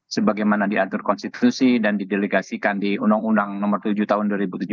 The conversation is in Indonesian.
sebagaimana diatur konstitusi dan didelegasikan di undang undang nomor tujuh tahun dua ribu tujuh belas